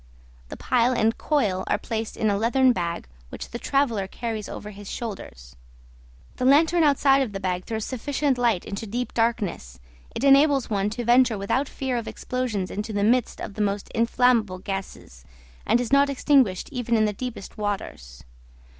The pile and coil are placed in a leathern bag which the traveller carries over his shoulders; the lantern outside of the bag throws sufficient light into deep darkness; it enables one to venture without fear of explosions into the midst of the most inflammable gases, and is not extinguished even in the deepest waters.